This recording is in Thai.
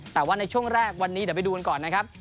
แต่ว่าในช่วงแรกวันนี้เดี๋ยวไปดูกันก่อนนะครับ